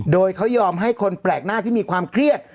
โดยเขายอมให้คนแปลกหน้าที่มีความเครียด